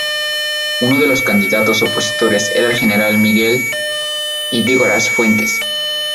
Uno de los candidatos opositores era el general Miguel Ydígoras Fuentes.